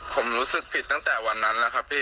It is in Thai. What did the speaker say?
ผมรู้สึกผิดมาตลอดล่ะครับพี่